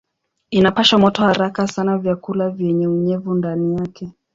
Inapasha moto haraka sana vyakula vyenye unyevu ndani yake.